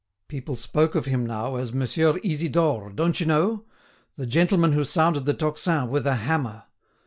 People spoke of him now as "Monsieur Isidore, don't you know? the gentleman who sounded the tocsin with a hammer!"